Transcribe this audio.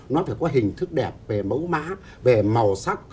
nó phải có hình thức đẹp về mấu má về màu sắc